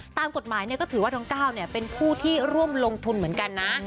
ตามกฎหมายก็ถือว่าทั้ง๙เป็นผู้ที่ร่วมลงทุนเหมือนกันนะ